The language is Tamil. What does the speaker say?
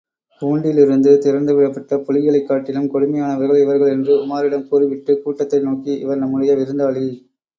கூண்டிலிருந்து திறந்துவிடப்பட்ட புலிகளைக் காட்டிலும் கொடுமையானவர்கள் இவர்கள் என்று உமாரிடம் கூறிவிட்டு, கூட்டத்தை நோக்கி, இவர் நம்முடைய விருந்தாளி.